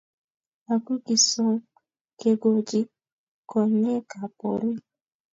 Aku kisom kekochi konyekab orit